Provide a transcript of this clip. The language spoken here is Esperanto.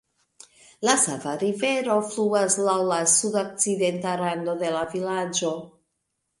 La Sava Rivero fluas laŭ la sudokcidenta rando de la vilaĝo.